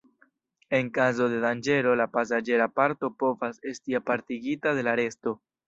En kazo de danĝero la pasaĝera parto povas esti apartigita de la resto.